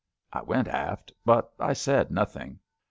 I went aft, but I said nothing.